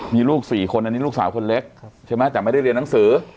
มีลูก๔คนอันนี้ลูกสาวคนเล็กใช่ไหมแต่ไม่ได้เรียนหนังสือ